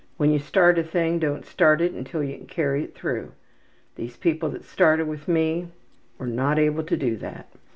When you start a thing don't start it until you can carry it through. These people that started with me were not able to do that.''